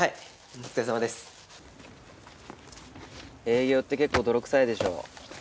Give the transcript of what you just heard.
営業って結構泥くさいでしょ。